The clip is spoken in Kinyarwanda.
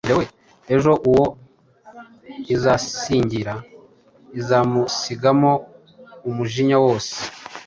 Ejo uwo izasingira izamusigamo umujinya wose